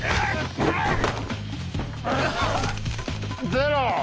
ゼロ！